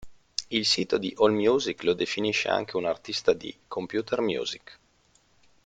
Il sito di "AllMusic" lo definisce anche un artista di computer music.